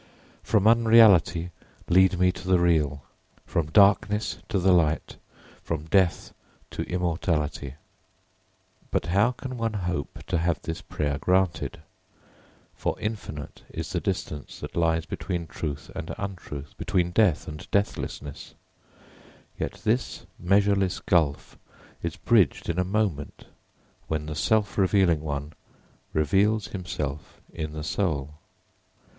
_ From unreality lead me to the real, from darkness to the light, from death to immortality. [Footnote: Asatōmā sadgamaya, tamasōmā jyōtirgamaya, mrityōrma mritangamaya.] But how can one hope to have this prayer granted? For infinite is the distance that lies between truth and untruth, between death and deathlessness. Yet this measureless gulf is bridged in a moment when the self revealing one reveals himself in the soul.